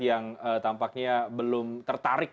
yang tampaknya belum tertarik